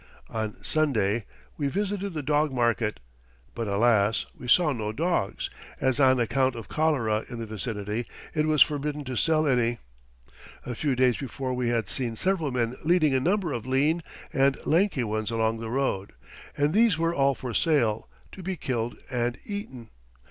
On Sunday we visited the dog market, but alas! we saw no dogs, as on account of cholera in the vicinity, it was forbidden to sell any. A few days before we had seen several men leading a number of lean and lanky ones along the road, and these were all for sale, to be killed and eaten.